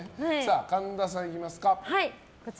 神田さん、いきますか。